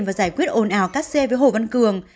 và giải quyết ồn ào các xe với hồ văn cường